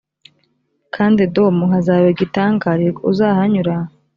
kandi edomu hazaba igitangarirwa uzahanyura